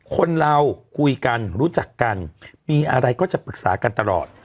คนเราคุยกันรู้จักกันมีอะไรก็จะปรึกษากันตลอด